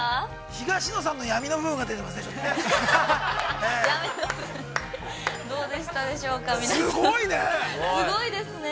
◆東野さんの闇の部分が出てますね。